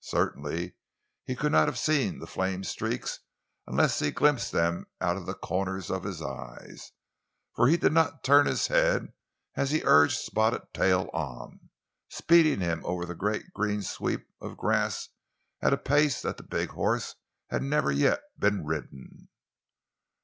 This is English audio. Certainly he could not have seen the flame streaks, unless he glimpsed them out of the corners of his eyes, for he did not turn his head as he urged Spotted Tail on, speeding him over the great green sweep of grass at a pace that the big horse had never yet been ridden.